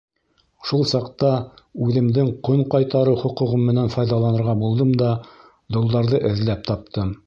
Шул саҡта үҙемдең ҡон ҡайтарыу хоҡуғым менән файҙаланырға булдым да долдарҙы эҙләп таптым.